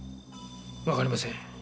わかりません。